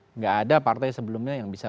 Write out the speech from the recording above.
tidak ada partai sebelumnya yang bisa